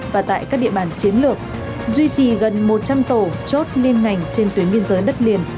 và tại các địa bàn chiến lược duy trì gần một trăm linh tổ chốt liên ngành trên tuyến biên giới đất liền